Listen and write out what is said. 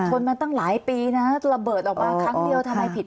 มาตั้งหลายปีนะระเบิดออกมาครั้งเดียวทำไมผิด